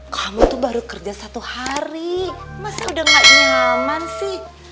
kamu tuh baru kerja satu hari masih udah gak nyaman sih